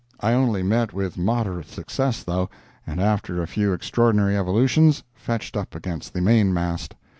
I only met with moderate success, though, and after a few extraordinary evolutions, fetched up against the mainmast.